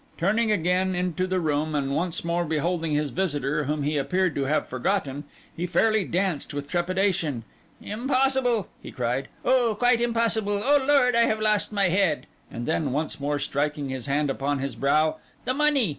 Turning again into the room, and once more beholding his visitor, whom he appeared to have forgotten, he fairly danced with trepidation. 'Impossible!' he cried. 'Oh, quite impossible! O Lord, I have lost my head.' And then, once more striking his hand upon his brow, 'The money!